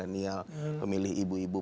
pemilih milenial pemilih ibu ibu